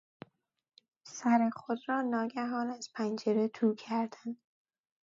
سر خود را ناگهان از پنجره تو کردن